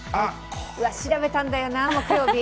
調べたんだよな、木曜日。